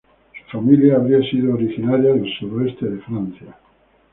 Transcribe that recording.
Su familia habría sido originaria del sudoeste de Francia.